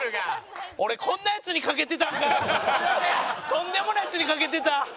とんでもないヤツに賭けてた。